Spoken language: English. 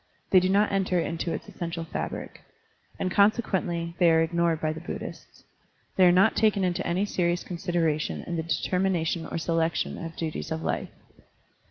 They do not enter into its essential fabric. And con sequently they are ignored by the Buddhists. They are not taken into any serious consideration in the determination or selection of duties of Ufe.